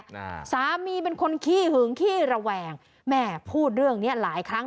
หน้าสามีเป็นคนขี้หึงขี้ระแวงแม่พูดเรื่องเนี้ยหลายครั้ง